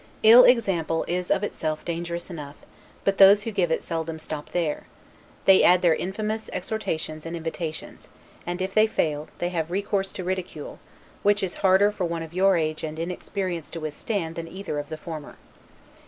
Ill example is of itself dangerous enough; but those who give it seldom stop there; they add their infamous exhortations and invitations; and, if they fail, they have recourse to ridicule, which is harder for one of your age and inexperience to withstand than either of the former.